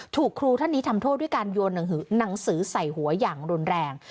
ครูท่านนี้ทำโทษด้วยการโยนหนังสือใส่หัวอย่างรุนแรง